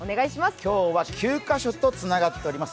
今日は９カ所とつながっています。